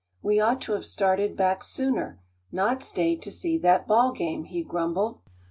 We ought to have started back sooner, not stayed to see that ball game," he grumbled.